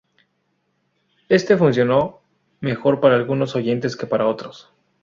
Éste funcionó mejor para algunos oyentes que para otros.